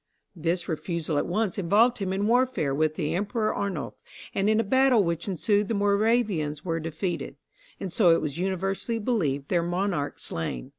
This refusal at once involved him in warfare with the Emperor Arnulph, and in a battle which ensued the Moravians were defeated, and, so it was universally believed, their monarch slain.